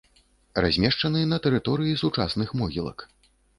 Размешчаны на тэрыторыі сучасных могілак.